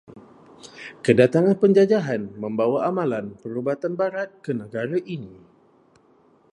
Kedatangan penjajahan membawa amalan perubatan barat ke negara ini.